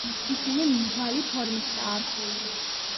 ისინი მრგვალი ფორმისაა.